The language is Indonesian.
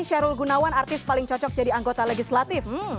syahrul gunawan artis paling cocok jadi anggota legislatif